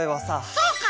そうか！